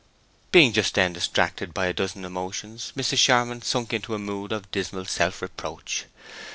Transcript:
Being just then distracted by a dozen emotions, Mrs. Charmond sunk into a mood of dismal self reproach.